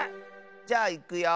じゃあいくよ。